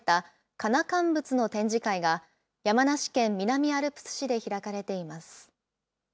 かんぶつの展示会が、山梨県南アルプス市で開かれています。